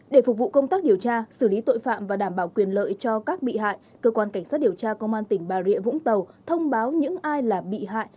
để phục vụ công tác điều tra xử lý tội phạm và đảm bảo quyền lợi cho các bị hại cơ quan cảnh sát điều tra công an tỉnh bà rịa vũng tàu thông báo những ai là bị hại